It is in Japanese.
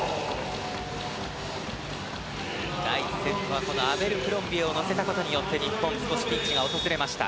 第１セットはアベルクロンビエを乗せたことによって日本、少しピンチが訪れました。